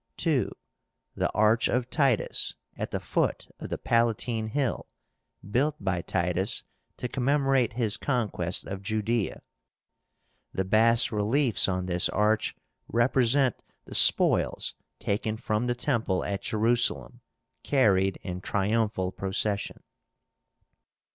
2. The ARCH OF TITUS, at the foot of the Palatine Hill, built by Titus to commemorate his conquest of Judaea, The bas reliefs on this arch represent the spoils taken from the temple at Jerusalem, carried in triumphal procession.